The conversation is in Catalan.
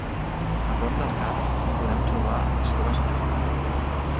A prop del cap, podem trobar les Coves d'Artà.